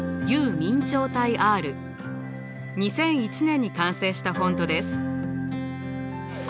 ２００１年に完成したフォントです。